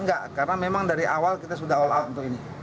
enggak karena memang dari awal kita sudah all out untuk ini